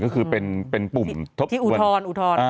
ก็คือเป็นปุ่มทบทวน๑๐